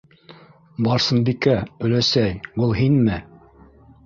Барсынбикә... өләсәй... был һинме?